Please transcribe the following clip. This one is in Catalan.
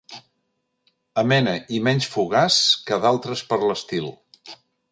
Amena i menys fugaç que d'altres per l'estil.